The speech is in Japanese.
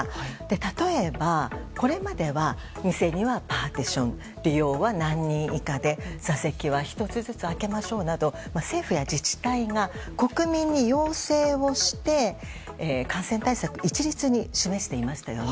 例えば、これまでは店にはパーティション利用は何人以下で座席は１つずつ空けましょうなど政府や自治体が国民に要請をして感染対策を一律に示していましたよね。